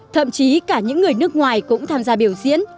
thậm chí cả những người nước ngoài cũng tham gia biểu diễn